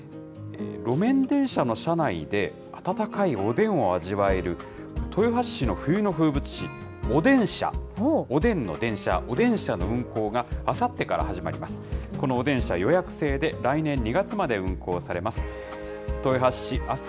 路面電車の車内で温かいおでんを味わえる、豊橋市の冬の風物詩、おでんしゃ、おでんの電車、おでんしゃの運行があさってから始まります。